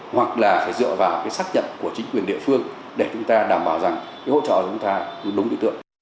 hoặc là phải dựa vào cái xác nhận của chính quyền địa phương để chúng ta đảm bảo rằng cái hỗ trợ của chúng ta đúng địa tượng